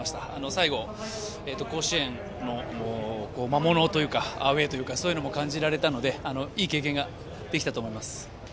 最後、甲子園の魔物というかアウェーというかそういうのも感じられたのでいい経験ができたと思います。